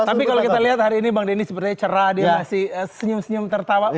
tapi kalau kita lihat hari ini bang denny sepertinya cerah dia masih senyum senyum tertawa